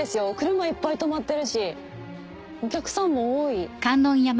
車いっぱい止まってるしお客さんも多い。